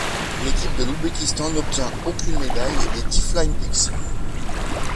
L'équipe de l'Ouzbékistan n'obtient aucun médaille des Deaflympics.